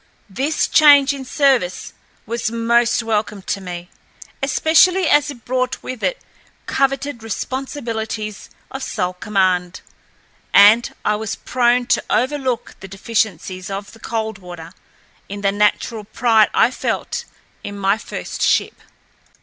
This change in service was most welcome to me, especially as it brought with it coveted responsibilities of sole command, and I was prone to overlook the deficiencies of the Coldwater in the natural pride I felt in my first ship.